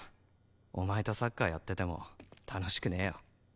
お前とサッカーやってても楽しくねえよ。